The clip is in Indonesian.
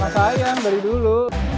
sayang dari dulu